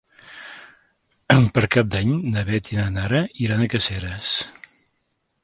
Per Cap d'Any na Beth i na Nara iran a Caseres.